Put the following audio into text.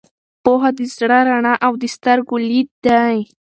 پوهه د زړه رڼا او د سترګو لید دی.